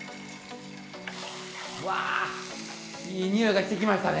うわあいい匂いがしてきましたね。